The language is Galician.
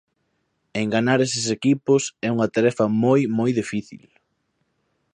Enganar eses equipos é unha tarefa moi, moi difícil.